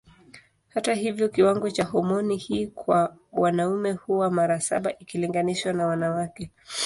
Hata hivyo kiwango cha homoni hii kwa wanaume huwa mara saba ikilinganishwa na wanawake.